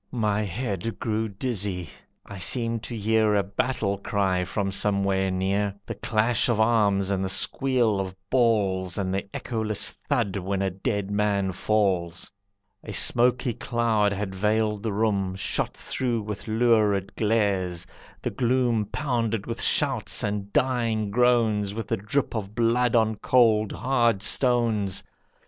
My head grew dizzy, I seemed to hear A battle cry from somewhere near, The clash of arms, and the squeal of balls, And the echoless thud when a dead man falls. A smoky cloud had veiled the room, Shot through with lurid glares; the gloom Pounded with shouts and dying groans, With the drip of blood on cold, hard stones.